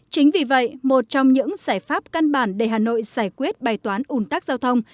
chính vì vậy một trong những giải pháp căn bản để hà nội giải quyết bài toán ủn tắc giao thông